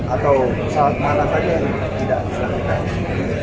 atau pesawat mana saja yang tidak bisa dilakukan